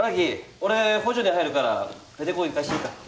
俺補助に入るからペテ公行かしていいか？